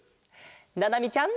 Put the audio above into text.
ななみちゃん。